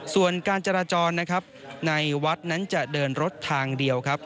ส่วนการจราจรนะครับในวัดนั้นจะเดินรถทางเดียวครับ